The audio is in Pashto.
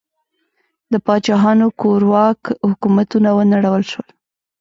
د پاچاهانو کورواک حکومتونه ونړول شول.